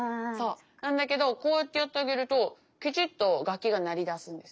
なんだけどこうやってやってあげるときちっと楽器が鳴りだすんです。